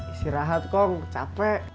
isi rahat kong capek